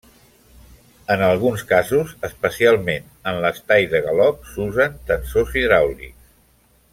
En alguns casos, especialment en l'estai de galop s'usen tensors hidràulics.